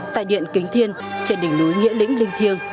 tại điện kính thiên trên đỉnh núi nghĩa lĩnh linh thiêng